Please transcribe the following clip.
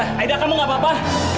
tidak tahu tidak apa apa